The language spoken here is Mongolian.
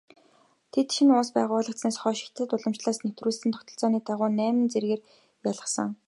Тэд шинэ улс байгуулагдсанаас хойш хятад уламжлалаас нэвтрүүлсэн тогтолцооны дагуу найман зэргээр ялгарсан.